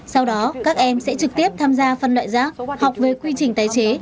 sau đó các em sẽ trực tiếp tham gia phân loại rác học về quy trình tái chế